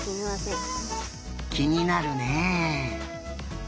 きになるね。